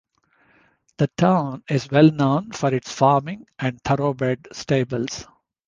The town is well known for its farming and thoroughbred stables.